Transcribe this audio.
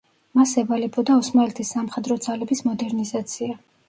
მას ევალებოდა ოსმალეთის სამხედრო ძალების მოდერნიზაცია.